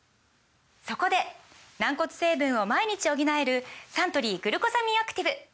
そこで軟骨成分を毎日補えるサントリー「グルコサミンアクティブ」！